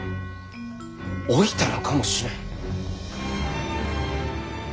老いたのかもしれん。